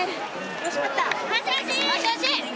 惜しかった。